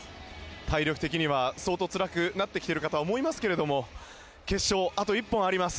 体力的には相当つらくなってきているとは思いますが決勝、あと１本あります。